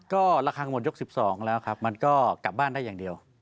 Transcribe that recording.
ก็ระคังหมดยก๑๒แล้วครับมันก็กลับบ้านได้อย่างเดียว